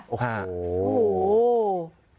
โอ้โห